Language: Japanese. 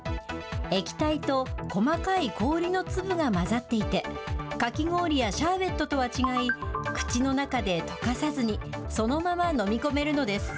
液体と細かい氷の粒が混ざっていて、かき氷やシャーベットとは違い、口の中でとかさずに、そのまま飲み込めるのです。